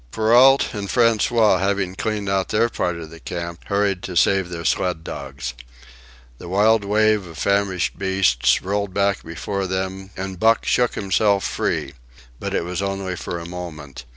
Perrault and François, having cleaned out their part of the camp, hurried to save their sled dogs. The wild wave of famished beasts rolled back before them, and Buck shook himself free. But it was only for a moment.